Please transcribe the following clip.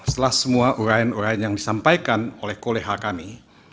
setelah semua uraian uraian yang disampaikan oleh koleha kami